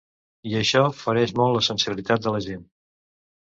I això fereix molt la sensibilitat de la gent.